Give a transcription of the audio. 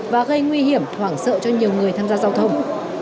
và gây nguy hiểm hoảng sợ cho nhiều người tham gia giao thông